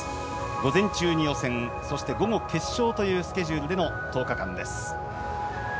午前中に予選そして午後、決勝というスケジュールの１０日間です。